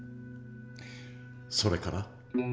それから？